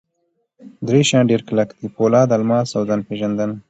درې شیان ډېر کلک دي: پولاد، الماس اوځان پېژندنه.